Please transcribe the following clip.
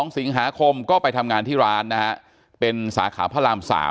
๒สิงหาคมก็ไปทำงานที่ร้านนะฮะเป็นสาขาพระราม๓